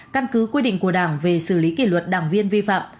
căn cứ quy định của đảng về xử lý kỷ luật đảng viên vi phạm